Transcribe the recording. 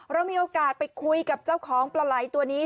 เรามีโอกาสไปคุยกับเจ้าของปลาไหล่ตัวนี้